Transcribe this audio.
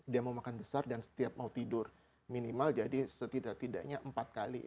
dia mau makan besar dan setiap mau tidur minimal jadi setidak tidaknya empat kali